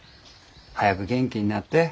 早く元気になって。